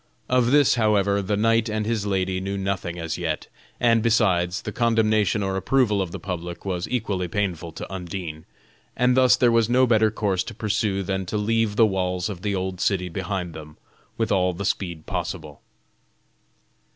Of this, however, the knight and his lady knew nothing as yet; and, besides, the condemnation or approval of the public was equally painful to Undine, and thus there was no better course to pursue than to leave the walls of the old city behind them with all the speed possible.